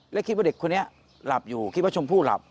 และคิดว่าเด็กคนนี้หลับอยู่คิดว่าชมพู่หลับ